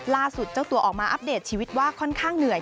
เจ้าตัวออกมาอัปเดตชีวิตว่าค่อนข้างเหนื่อย